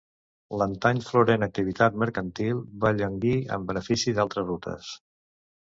L'antany florent activitat mercantil va llanguir en benefici d'altres rutes.